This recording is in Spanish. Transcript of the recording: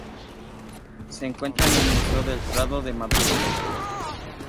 Se encuentra en el Museo del Prado de Madrid.